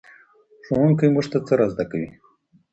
ښوونکی موږ ته څه را زده کوي؟